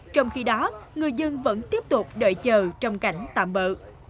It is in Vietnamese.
trong khi đó người dân vẫn tiếp tục đợi chờ trong cảnh tạm bỡ